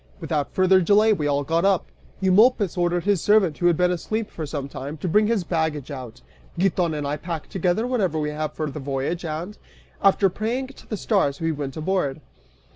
Without further delay we all got up. Eumolpus ordered his servant, who had been asleep for some time, to bring his baggage out. Giton and I pack together whatever we have for the voyage and, after praying to the stars, we went aboard.